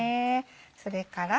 それから。